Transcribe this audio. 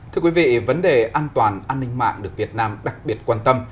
thưa quý vị vấn đề an toàn an ninh mạng được việt nam đặc biệt quan tâm